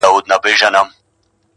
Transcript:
ددې سايه به ،پر تا خوره سي,